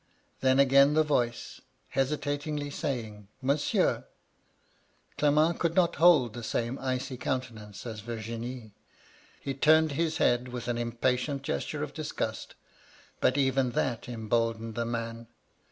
Then again the TOice, hesitatingly^ saying, ^ Monsieur !' Clement could not hold the same icy countenance as Virginie ; he turned his head with an impatient gesture of disgust ; but even that emboldened the man.